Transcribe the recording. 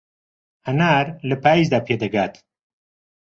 هەنار لە پایزدا پێدەگات.